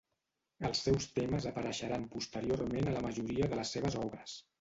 Els seus temes apareixeran posteriorment a la majoria de les seves obres.